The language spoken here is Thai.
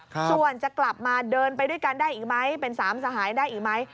ส่วนจะกลับมาเดินไปด้วยกันได้อีกไหมเป็นสามสหายได้อีกไหม